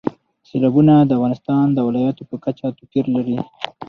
سیلابونه د افغانستان د ولایاتو په کچه توپیر لري.